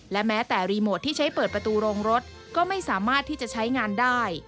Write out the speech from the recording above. และแม้แต่รีโมทที่ใช้เปิดประตูโรงรถก็ไม่สามารถที่จะใช้งานได้